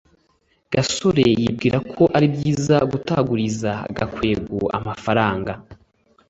gasore yibwira ko ari byiza kutaguriza gakwego amafaranga